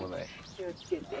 気をつけて。